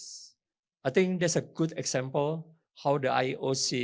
saya pikir itu adalah contoh yang baik bagaimana ieo melihatnya